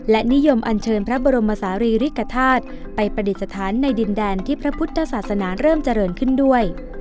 และนิยมอันเชิญพระบรมศาลีริกฐาตุไปประดิษฐานในดินแดนที่พระพุทธศาสนาเริ่มเจริญขึ้นด้วย